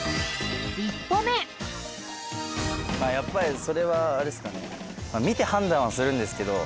やっぱりそれはあれですかね。